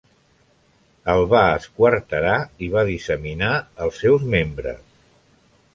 El va esquarterar i va disseminar els seus membres.